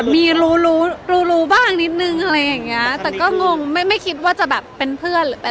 มีรู้รู้บ้างนิดนึงอะไรอย่างเงี้ยแต่ก็งงไม่ไม่คิดว่าจะแบบเป็นเพื่อนหรือเป็น